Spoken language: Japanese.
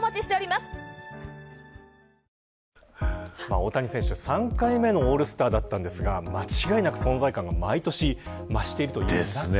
大谷選手３回目のオールスターだったんですが間違いなく存在感が毎年増しています。